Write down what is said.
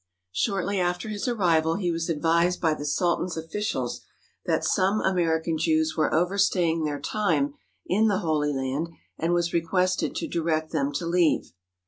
Shortly after his arrival he was advised by the Sultan's officials that some American Jews were overstaying their time in the Holy Land and was requested to direct them to leave.